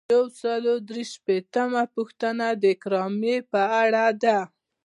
یو سل او درویشتمه پوښتنه د اکرامیې په اړه ده.